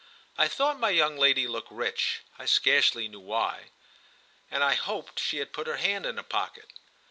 I thought my young lady looked rich—I scarcely knew why; and I hoped she had put her hand in her pocket.